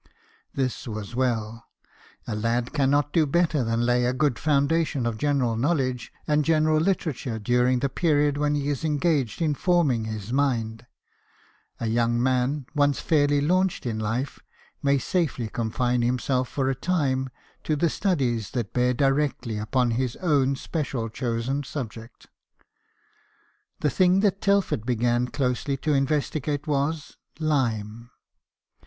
This was well. A lad cannot do better than lay a good foundation of general knowledge and general literature during the period when he is engaged in forming his mind : a young man once fairly launched in life may safely con fine himself for a time to the studies that bear directly upon his own special chosen subject. The thing that Telford began closely to investi gate was lime.